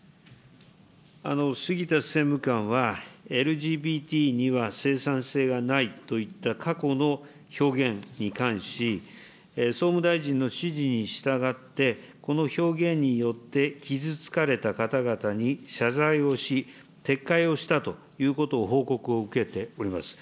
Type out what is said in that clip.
杉田政務官は、ＬＧＢＴには生産性がないといった過去の表現に関し、総務大臣の指示に従って、この表現によって、傷つかれた方々に謝罪をし、撤回をしたということを報告を受けております。